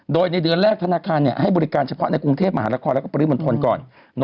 โดยในเดือนแรกธนาคารให้บริการเฉพาะในกรุงเทพมหานครแล้วก็ปริมณฑลก่อน